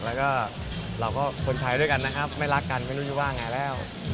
แล้วก็เราก็คนไทยด้วยกันนะครับไม่รักกันไม่รู้จะว่าไงแล้ว